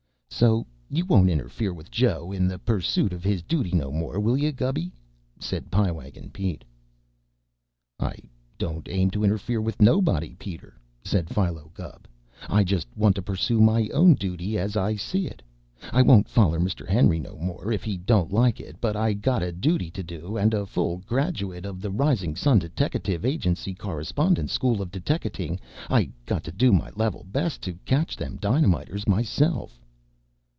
"So you won't interfere with Joe in the pursoot of his dooty no more, will you, Gubby?" said Pie Wagon Pete. "I don't aim to interfere with nobody, Peter," said Philo Gubb. "I just want to pursoo my own dooty, as I see it. I won't foller Mr. Henry no more, if he don't like it; but I got a dooty to do, as a full graduate of the Rising Sun Deteckative Agency's Correspondence School of Deteckating. I got to do my level best to catch them dynamiters myself."